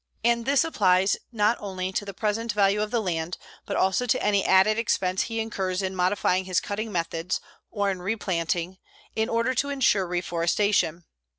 And this applies not only to the present value of the land, but also to any added expense he incurs in modifying his cutting methods, or in replanting, in order to insure reforestation.